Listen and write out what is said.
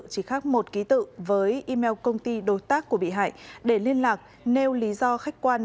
chỉ khác một ký tự với email công ty đối tác của bị hại để liên lạc nêu lý do khách quan